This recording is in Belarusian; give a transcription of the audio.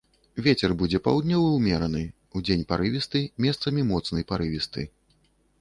Вецер будзе паўднёвы ўмераны, удзень парывісты, месцамі моцны парывісты.